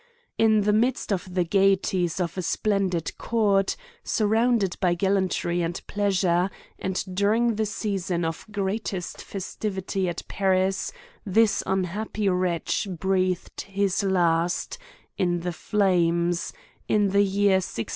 In the midst of the gaieties of a splendid court, surrounded by gallantry and pleasure, and during the season of greatest festivity at Paris this unhappy wretch breathed his last in the flames, in tlie year 1663.